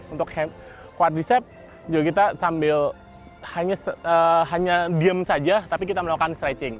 untuk quardicept juga kita sambil hanya diem saja tapi kita melakukan stretching